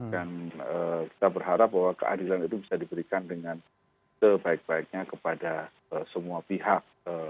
dan kita berharap bahwa keadilan itu bisa diberikan dengan sebaik baiknya kepada semua pihak